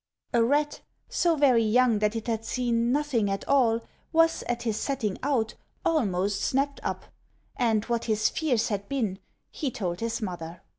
A Rat, so very young that it had seen Nothing at all, was at his setting out Almost snapped up; and what his fears had been He told his mother.